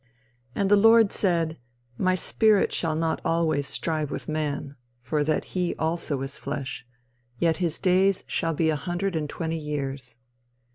"And the Lord said, My spirit shall not always strive with man, for that he also is flesh; yet his days shall be an hundred and twenty years.